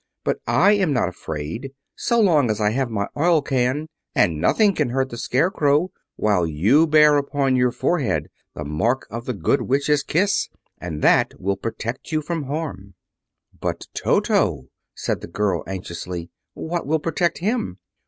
But I am not afraid so long as I have my oil can, and nothing can hurt the Scarecrow, while you bear upon your forehead the mark of the Good Witch's kiss, and that will protect you from harm." "But Toto!" said the girl anxiously. "What will protect him?"